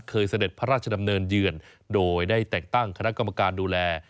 เสด็จพระราชดำเนินเยือนโดยได้แต่งตั้งคณะกรรมการดูแล